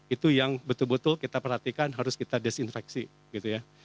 itu yang betul betul kita perhatikan harus kita desinfeksi gitu ya